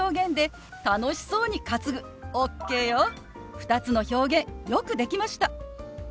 ２つの表現よくできました！